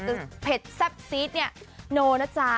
แต่เผ็ดแซ่บซีดเนี่ยโนนะจ๊ะ